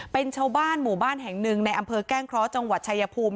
เป็นชาวบ้านหมู่บ้านแห่งหนึ่งในอำเภอแก้งเคราะห์จังหวัดชายภูมิ